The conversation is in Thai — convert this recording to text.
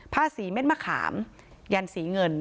ผ้าสีเม็ดมะขามยันสีเงิน